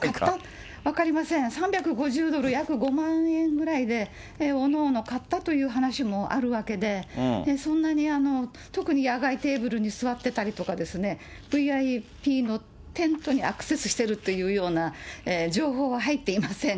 ３５０ドル、約５万円ぐらいで、各々買ったという話もあるわけで、そんなに特に野外テーブルに座ってたりとか、ＶＩＰのテントにアクセスしてるというような情報は入っていません。